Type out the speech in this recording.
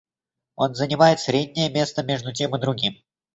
Он занимает среднее место между тем и другим.